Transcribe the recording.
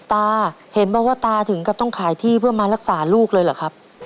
ตาเห็นบอกว่าตาถึงกับต้องขายที่เพื่อมารักษาลูกเลยเหรอครับ